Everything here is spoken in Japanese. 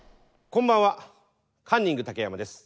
こんばんはカンニング竹山です。